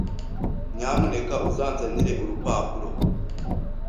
Nyamuneka uzanzanire urupapuro.